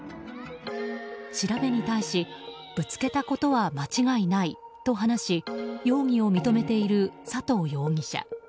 調べに対し、ぶつけたことは間違いないと話し容疑を認めている佐藤容疑者。